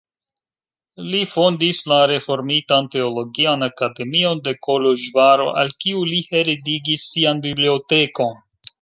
Li fondis la reformitan teologian akademion de Koloĵvaro, al kiu li heredigis sian bibliotekon.